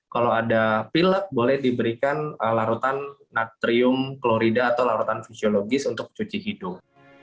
kalau ada pilek boleh diberikan larutan natrium klorida atau larutan fisiologis untuk cuci hidung